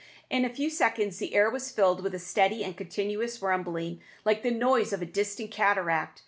In a few seconds the air was filled with a steady and continuous rumbling sound, like the noise of a distant cataract.